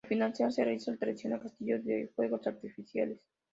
Al finalizar, se realiza el tradicional castillo de fuegos artificiales.